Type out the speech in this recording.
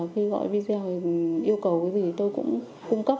khi gọi video yêu cầu cái gì thì tôi cũng cung cấp